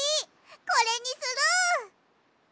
これにする！